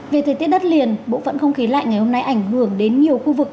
về thời tiết đất liền bộ phận không khí lạnh ngày hôm nay ảnh hưởng đến nhiều khu vực